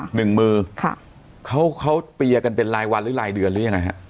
หนึ่งมือค่ะเขาเขาเตียกันเป็นรายวันหรือรายเดือนหรือยังไงฮะ